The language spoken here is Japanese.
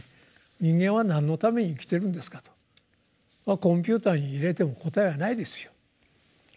「人間は何のために生きているんですか」と。コンピューターに入れても答えはないですよ。